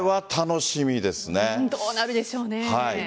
どうなるでしょうね。